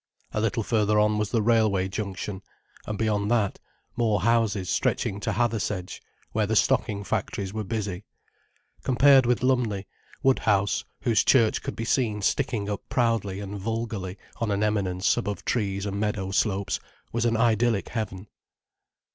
A little further on was the railway junction, and beyond that, more houses stretching to Hathersedge, where the stocking factories were busy. Compared with Lumley, Woodhouse, whose church could be seen sticking up proudly and vulgarly on an eminence, above trees and meadow slopes, was an idyllic heaven.